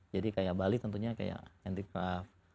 jadi kayak bali tentunya kayak handicraft